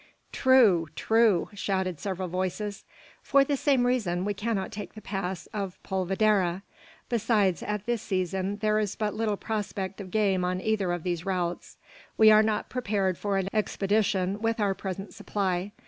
"True, true!" shouted several voices. "For the same reason, we cannot take the pass of Polvidera. Besides, at this season, there is but little prospect of game on either of these routes. We are not prepared for an expedition with our present supply.